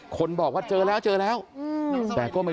ปลอดภัยแล้วแม่